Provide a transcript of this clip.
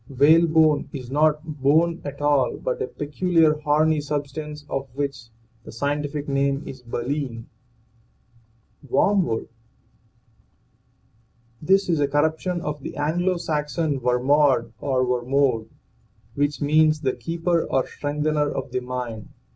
WHALEBONE is not bone at all but a peculiar horny substance of which the scientific name is baleen. WORMWOOD. This is a corruption of the Anglo Saxon wermod or wermode, which means the keeper or strengthener of the mind.